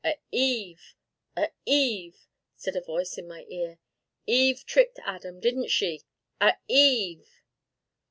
"A Eve a Eve!" said a voice in my ear. "Eve tricked Adam, didn't she? a Eve!"